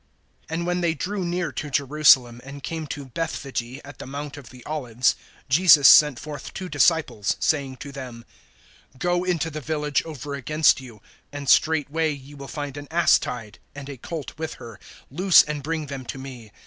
AND when they drew near to Jerusalem, and came to Bethphage, at the mount of the Olives, Jesus sent forth two disciples, (2)saying to them: Go into the village over against you, and straightway ye will find an ass tied, and a colt with her; loose and bring them to me.